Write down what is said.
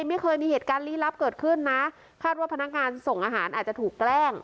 ไม่เคยมีเหตุการณ์ลี้ลับเกิดขึ้นนะคาดว่าพนักงานส่งอาหารอาจจะถูกแกล้ง